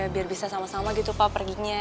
biar bisa sama sama gitu pak perginya